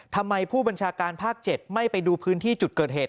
ผู้บัญชาการภาค๗ไม่ไปดูพื้นที่จุดเกิดเหตุ